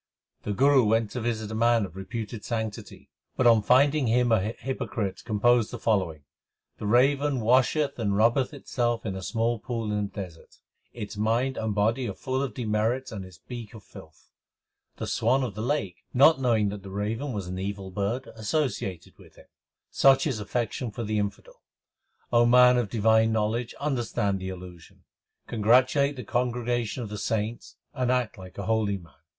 The Guru went to visit a man of reputed sanctity, but on finding him a hypocrite composed the following : The raven washeth and rubbeth itself in a small pool in the desert ; Its mind and body are full of demerits and its beak of filth. The swan of the lake, not knowing that the raven was an evil bird, associated with him. Such is affection for the infidel ; O man of divine know ledge, understand the allusion. Congratulate the congregation of the saints, and act like a holy man.